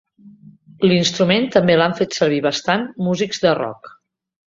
L'instrument també l'han fet servir bastant musics de rock.